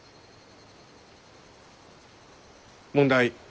問題。